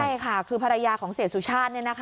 ใช่ค่ะคือภรรยาของเศรษฐ์สุชาตินี่นะคะ